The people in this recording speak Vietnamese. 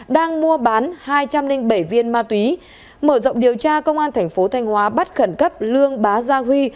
đang mua bán hai trăm linh bảy viên ma túy mở rộng điều tra công an thành phố thanh hóa bắt khẩn cấp lương bá gia huy